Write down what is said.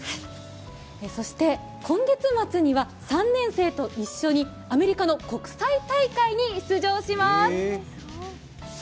そして今月末には３年生と一緒に、アメリカの国際大会に出場します。